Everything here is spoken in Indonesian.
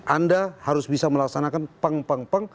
anda harus bisa melaksanakan peng peng peng